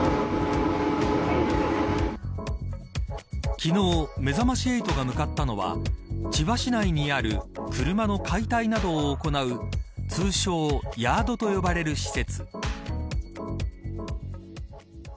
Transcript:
昨日めざまし８が向かったのは千葉市内にある車の解体などを行う通称ヤードと呼ばれる施設。